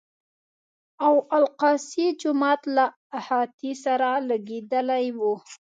او الاقصی جومات له احاطې سره لګېدلی و.